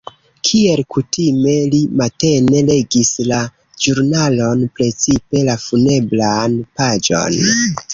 Kiel kutime, li matene legis la ĵurnalon, precipe la funebran paĝon.